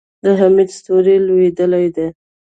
د احمد ستوری لوېدلی دی.